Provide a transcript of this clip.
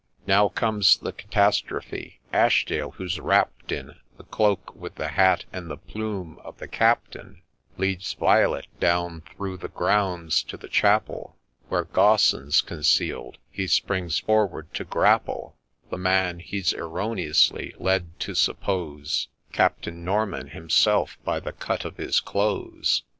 Now comes the catastrophe !— Ashdale, who 's wrapt in The cloak, with the hat and the piunie of the Captain, Leads Violet down through the grounds to the chapel Where Gaussen 's conceal'd — he springs forward to grapple The man he 's erroneously led to suppose Captain Norman himself by the cut of his clothes.